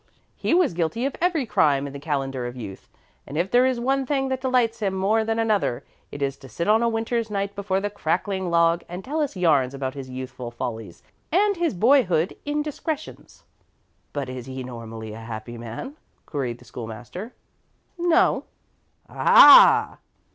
He was guilty of every crime in the calendar of youth; and if there is one thing that delights him more than another, it is to sit on a winter's night before the crackling log and tell us yarns about his youthful follies and his boyhood indiscretions." "But is he normally a happy man?" queried the School master. "No." "Ah!"